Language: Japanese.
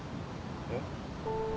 えっ？